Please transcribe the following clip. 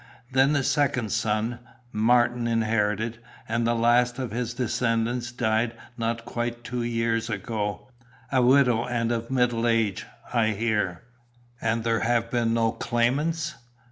Then the second son, Martin, inherited, and the last of his descendants died not quite two years ago, a widow and of middle age, I hear." "And there have been no claimants?"